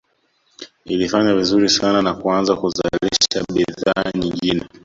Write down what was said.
Ilifanya vizuri sana na kuanza kuzalisha bidhaa nyingine